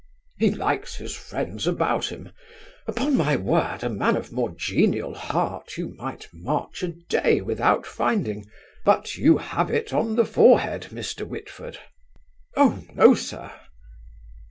"He likes his friends about him. Upon my word, a man of a more genial heart you might march a day without finding. But you have it on the forehead, Mr. Whitford." "Oh! no, sir."